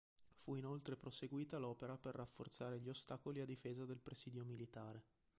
Fu inoltre proseguita l'opera per rafforzare gli ostacoli a difesa del presidio militare.